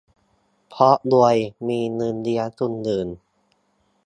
เพราะรวย มีเงินเลี้ยงคนอื่น